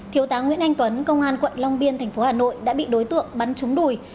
thiếu tá nguyễn anh tuấn công an quận long biên thành phố hà nội đã bị đối tượng bắn trúng đùi